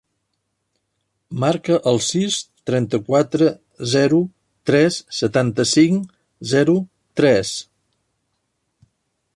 Marca el sis, trenta-quatre, zero, tres, setanta-cinc, zero, tres.